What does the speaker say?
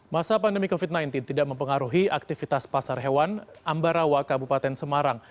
masa pandemi covid sembilan belas tidak mempengaruhi aktivitas pasar hewan ambarawa kabupaten semarang